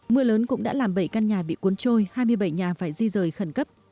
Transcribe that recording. mưa lớn cũng đã làm bảy căn nhà bị cuốn trôi hai mươi bảy nhà phải di rời khẩn cấp